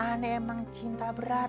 ane emang cinta berat